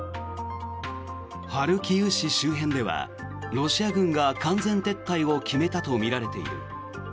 ハルキウ市周辺ではロシア軍が完全撤退を決めたとみられている。